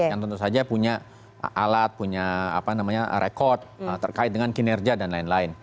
yang tentu saja punya alat punya rekod terkait dengan kinerja dan lain lain